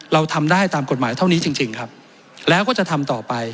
เราทำได้ตามกฎหมายเท่านี้จริงครับแล้วก็จะทำต่อไป